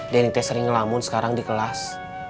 denny teh sering ngelamun sekarang di kelas